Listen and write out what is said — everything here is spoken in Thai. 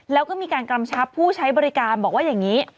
แล้วก็มีการกำชับผู้ใช้บริการบอกว่าอย่างนี้